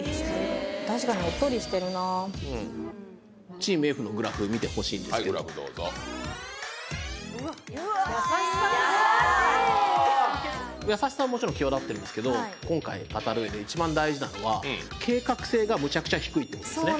チームＦのグラフ見てほしいんですけど・優しい優しさはもちろん際立ってるんですけど今回語る上で一番大事なのは計画性がむちゃくちゃ低いってことですね